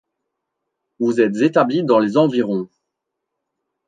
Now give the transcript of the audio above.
Vous êtes établi dans les environs ?